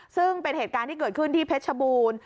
ซึ่งเป็นเหตุการณ์ที่เกิดขึ้นที่เพชรชบูรณ์